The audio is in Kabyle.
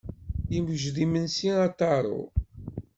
Iwjed yimensi a Taro.